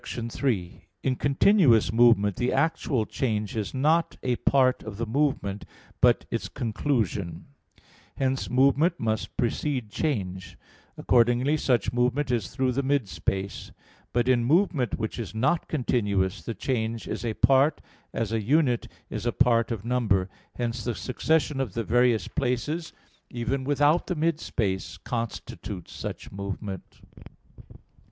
3: In continuous movement the actual change is not a part of the movement, but its conclusion; hence movement must precede change. Accordingly such movement is through the mid space. But in movement which is not continuous, the change is a part, as a unit is a part of number: hence the succession of the various places, even without the mid space, constitutes such movement.